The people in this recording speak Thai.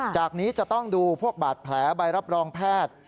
จากนี้จะต้องดูพวกบาดแผลใบรับรองแพทย์